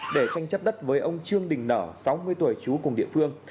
để tranh chấp đất với ông trương đình nở sáu mươi tuổi chú cùng địa phương